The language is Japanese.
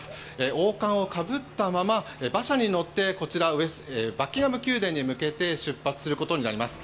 王冠をかぶったまま馬車に乗ってこちらバッキンガム宮殿に向けて出発することになります。